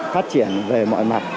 phát triển về mọi mặt